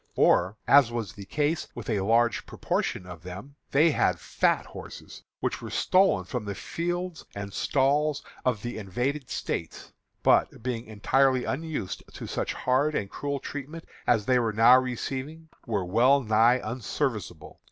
Or, as was the case with a large proportion of them, they had fat horses, which were stolen from the fields and stalls of the invaded States, but, being entirely unused to such hard and cruel treatment as they were now receiving, were well nigh unserviceable.